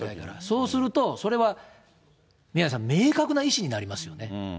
そうすると、それは宮根さん、明確な意思になりますよね。